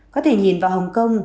có thể nhìn vào hồng kông